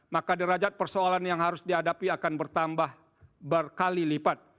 maka derajat persoalan yang harus dihadapi akan bertambah berkali lipat